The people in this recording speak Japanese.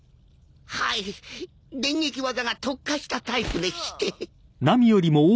はい電撃技が特化したタイプでしてクゥ